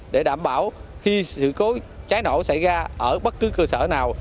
để đảm bảo khi sự trái nổ xảy ra ở bất cứ cơ sở nào